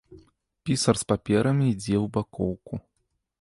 Пісар з паперамі ідзе ў бакоўку.